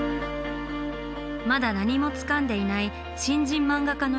まだ何もつかんでいない新人漫画家の現実。